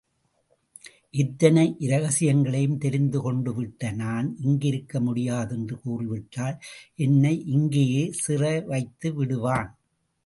இத்தனை இரகசியங்களையும் தெரிந்து கொண்டுவிட்ட நான் இங்கிருக்க முடியாதென்று கூறிவிட்டால் என்னை இங்கேயே சிறைவைத்து விடுவான்.